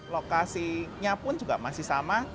lokasinya pun juga masih sama